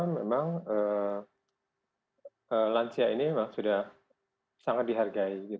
memang lansia ini memang sudah sangat dihargai